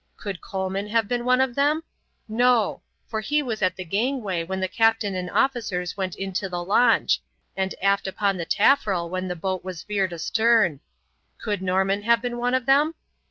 Could Coleman have been one of them? No, for he was at the gangway when the captain and officers went into the launch, and aft upon the taffrail when the boat was veered astern. Could Norman have been one of them?